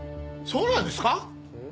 そうなんですか？